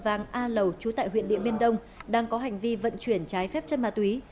vàng a lầu chú tại huyện điện biên đông đang có hành vi vận chuyển trái phép chất ma túy